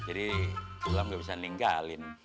jadi sulam gak bisa ninggalin